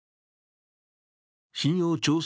信用調査